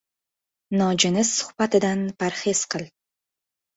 — Nojins suhbatidan parhez qil.